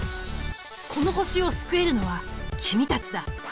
この星を救えるのは君たちだ。